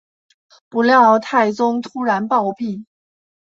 不料太宗突然暴毙。